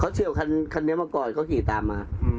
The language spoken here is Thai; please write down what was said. เฉียวคันนี้มาก่อนเขาขี่ตามมา